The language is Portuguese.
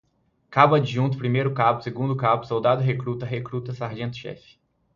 Cabo-Adjunto, Primeiro-Cabo, Segundo-Cabo, Soldado-Recruta, Recruta, Sargento-Chefe